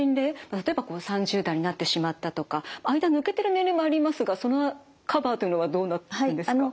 例えば３０代になってしまったとか間抜けてる年齢もありますがそのカバーというのはどうなってるんですか？